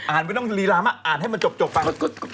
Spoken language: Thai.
อ่านไม่ต้องหลีระให้มันจบไป